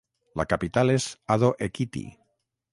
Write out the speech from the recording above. La capital és Ado-Ekiti.